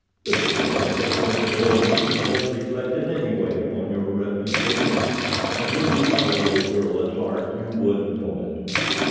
The story that you have told me cannot reflect in any way upon your reputation, and were you not a little girl at heart you would know it.